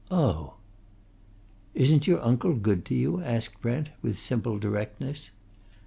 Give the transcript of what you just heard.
Oh!" "Isn't your uncle good to you?" asked Brent with simple directness.